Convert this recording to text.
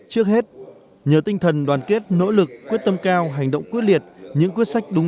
trước hết nhờ tinh thần đoàn kết nỗ lực quyết tâm cao hành động quyết liệt những quyết sách đúng